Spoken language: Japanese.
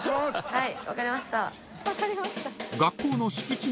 はい。